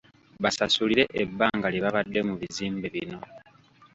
Basasulire ebbanga lye babadde mu bizimbe bino.